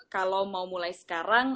kalau mau mulai sekarang